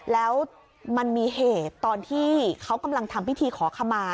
แล้วมันมีเหตุตอนที่เขากำลังทำพิธีขอขมา